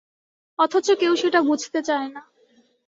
অথচ কেউ সেটা বুঝতে চায় না।